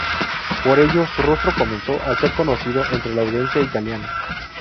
Por ello, su rostro comenzó a ser conocido entre la audiencia italiana.